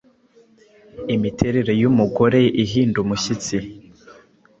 Imiterere yumugore ihinda umushyitsi